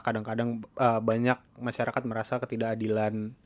kadang kadang banyak masyarakat merasa ketidakadilan